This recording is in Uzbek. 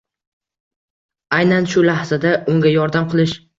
Aynan shu lahzada unga yordam qilish